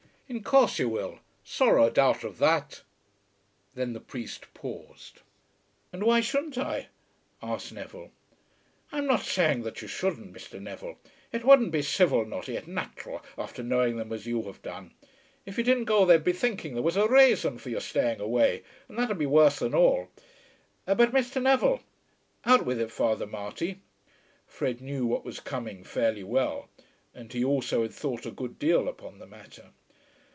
"In course you will. Sorrow a doubt of that." Then the priest paused. "And why shouldn't I?" asked Neville. "I'm not saying that you shouldn't, Mr. Neville. It wouldn't be civil nor yet nathural after knowing them as you have done. If you didn't go they'd be thinking there was a rason for your staying away, and that'd be worse than all. But, Mr. Neville " "Out with it, Father Marty." Fred knew what was coming fairly well, and he also had thought a good deal upon the matter.